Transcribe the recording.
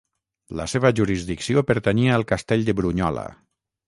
La seva jurisdicció pertanyia al castell de Brunyola.